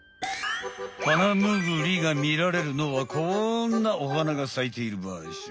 ハナムグリがみられるのはこんなお花が咲いている場所。